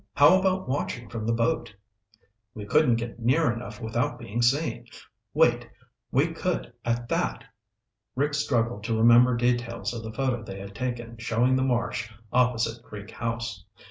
How about watching from the boat?" "We couldn't get near enough without being seen. Wait! We could at that!" Rick struggled to remember details of the photo they had taken showing the marsh opposite Creek House.